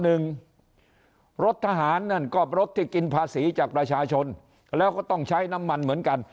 หนึ่งรถทหารนั่นก็รถที่กินภาษีจากประชาชนแล้วก็ต้องใช้น้ำมันเหมือนกัน